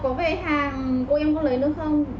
không biết là có về hàng cô em có lấy nữa không